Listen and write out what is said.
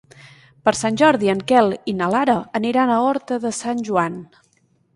Per Sant Jordi en Quel i na Lara aniran a Horta de Sant Joan.